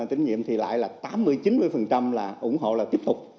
tín nhiệm thì lại là tám mươi chín mươi là ủng hộ là tiếp tục